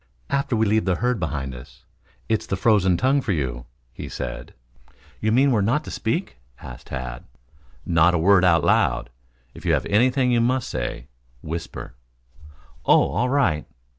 "After we leave the herd behind us, it's the frozen tongue for you," he said. "You mean we are not to speak?" asked Tad. "Not a word out loud. If you have anything you must say, whisper." "Oh, all right."